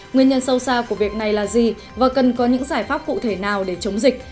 nguyên nhân sâu xa của việc này là gì và cần có những giải pháp cụ thể nào để chống dịch